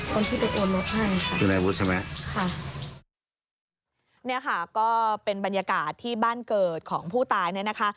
คนที่ไปโอนรถให้ค่ะคือนายวุฒิใช่ไหมค่ะเนี่ยค่ะก็เป็นบรรยากาศที่บ้านเกิดของผู้ตายเนี่ยนะคะ